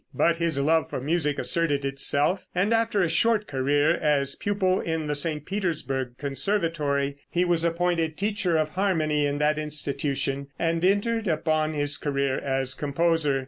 But his love for music asserted itself, and after a short career as pupil in the St. Petersburgh conservatory, he was appointed teacher of harmony in that institution, and entered upon his career as composer.